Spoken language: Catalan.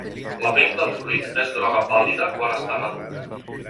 La pell del fruit és groga pàl·lida quan està madur.